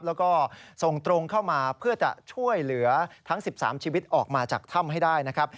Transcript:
แล้วก็ส่งตรงเข้ามาเพื่อจะช่วยเหลือทั้ง๑๓ชีวิตออกมาจากถ้ำให้ได้นะครับ